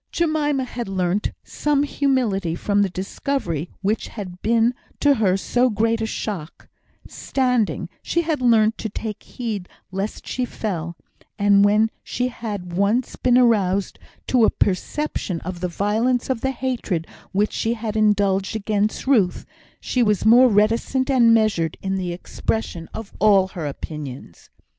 Jemima had learnt some humility from the discovery which had been to her so great a shock; standing, she had learnt to take heed lest she fell; and when she had once been aroused to a perception of the violence of the hatred which she had indulged against Ruth, she was more reticent and measured in the expression of all her opinions.